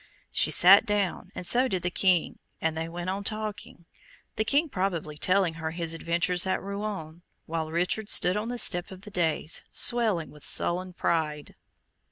She sat down, and so did the King, and they went on talking; the King probably telling her his adventures at Rouen, while Richard stood on the step of the dais, swelling with sullen pride.